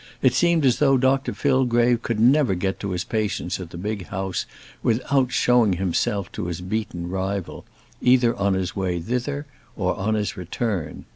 It seemed as though Dr Fillgrave could never get to his patients at the big house without showing himself to his beaten rival, either on his way thither or on his return.